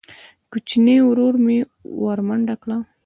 کوچیني ورور مې ورمنډه کړه.